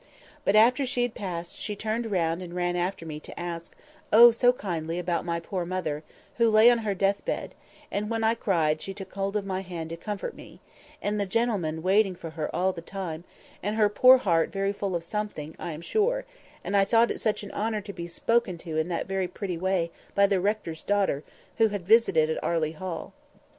But after she had passed, she turned round and ran after me to ask—oh, so kindly—about my poor mother, who lay on her death bed; and when I cried she took hold of my hand to comfort me—and the gentleman waiting for her all the time—and her poor heart very full of something, I am sure; and I thought it such an honour to be spoken to in that pretty way by the rector's daughter, who visited at Arley Hall.